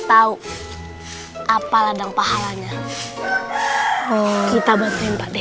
tahu apa ladang pahalanya kita batin